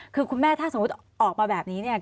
คือคุณแม่ถ้าสมมุติออกมาแบบนี้เนี่ย